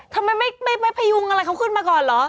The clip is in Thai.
ทำไมไม่พยุงอะไรเขาขึ้นมาก่อนเหรอ